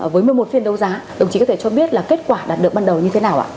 với một mươi một phiên đấu giá đồng chí có thể cho biết là kết quả đạt được ban đầu như thế nào ạ